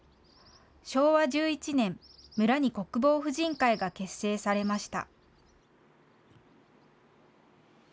昭和１１年、村に国防婦人会が結成されました。